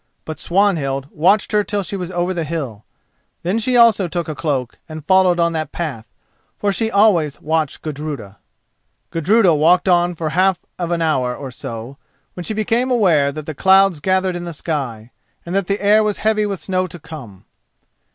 But Swanhild watched her till she was over the hill. Then she also took a cloak and followed on that path, for she always watched Gudruda. Gudruda walked on for the half of an hour or so, when she became aware that the clouds gathered in the sky, and that the air was heavy with snow to come.